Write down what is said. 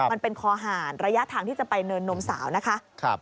มันเป็นคอหารระยะทางที่จะไปเนินนมสาวนะคะ